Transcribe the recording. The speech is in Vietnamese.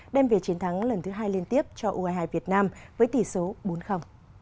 đem về chiến thắng lần thứ hai liên tiếp cho ue hai việt nam với tỷ số bốn